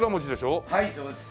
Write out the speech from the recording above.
はいそうです。